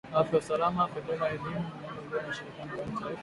afya usalama fedha elimu miundo mbinu na ushirikiano wa kimataifa